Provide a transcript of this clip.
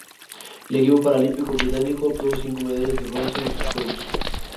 El equipo paralímpico británico obtuvo cinco medallas de bronce en estos Juegos.